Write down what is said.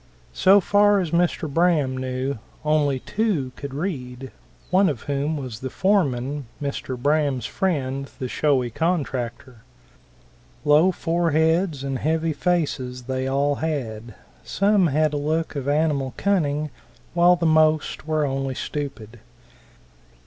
So far as Mr. Braham knew, only two could read, one of whom was the foreman, Mr. Braham's friend, the showy contractor. Low foreheads and heavy faces they all had; some had a look of animal cunning, while the most were only stupid.